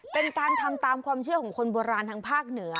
เป็นการทำตามความเชื่อของคนโบราณทางภาคเหนือ